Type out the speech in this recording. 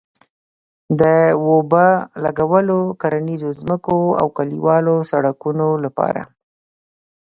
د اوبه لګولو، کرنيزو ځمکو او کلیوالو سړکونو لپاره